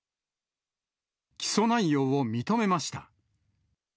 起訴内容を認めました。